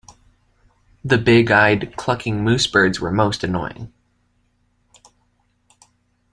The big-eyed, clucking moose-birds were most annoying.